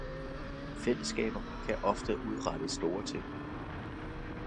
fællesskaber kan ofte udrette store ting